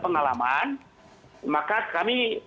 pengalaman maka kami